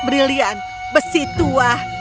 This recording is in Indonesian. brilian besi tua